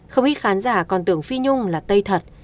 không ít khán giả còn tưởng phi nhung là tây thật